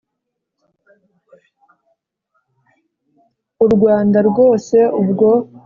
u rwanda rwose ubwo biracitse